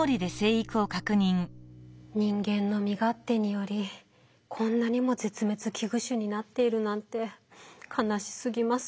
人間の身勝手によりこんなにも絶滅危惧種になっているなんて悲しすぎます。